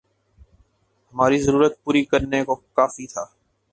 ہماری ضرورت پوری کرنے کو کافی تھا